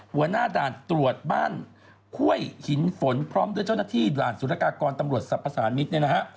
หัวหน้าด่านตรวจบ้านห้วยหินฝนพร้อมด้วยเจ้าหน้าที่ด่านสุรกากรตำรวจสรรพสารมิตรเนี่ยนะฮะ